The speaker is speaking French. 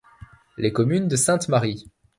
Les communes de Sainte-Marie.